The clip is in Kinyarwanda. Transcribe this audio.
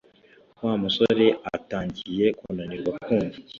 Wa musore atangiye kunanirwa kumva